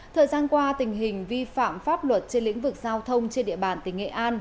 thời gian qua tình hình vi phạm pháp luật trên lĩnh vực giao thông trên địa bàn tỉnh nghệ an